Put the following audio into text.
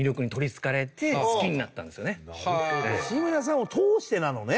志村さんを通してなのね。